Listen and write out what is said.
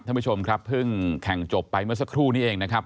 ท่านผู้ชมครับเพิ่งแข่งจบไปเมื่อสักครู่นี้เองนะครับ